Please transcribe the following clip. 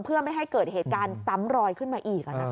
เพื่อไม่ให้เกิดเหตุการณ์ซ้ำรอยขึ้นมาอีก